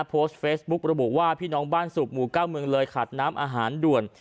โพสต์เฟซบุ๊กระบุว่าพี่น้องบ้านสูบหมู่๙เมืองเลยขาดน้ำอาหารด่วน